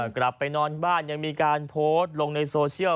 กลับไปนอนบ้านยังมีการโพสต์ลงในโซเชียล